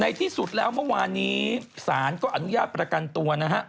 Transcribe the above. ที่สุดแล้วเมื่อวานนี้ศาลก็อนุญาตประกันตัวนะฮะ